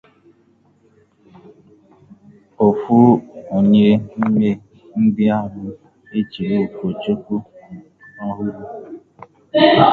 otu onye n'ime ndị ahụ e chiri ụkọchukwu ọhụrụ